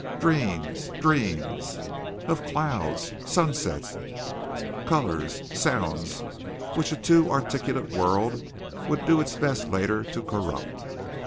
Dreams! dreams! of clouds, sunsets, colors, sounds which a too articulate world would do its best later to corrupt.